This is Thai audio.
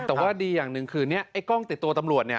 แต่ว่าดีอย่างหนึ่งคือนี้ไอ้กล้องติดตัวตำรวจเนี่ย